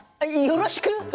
よろしく！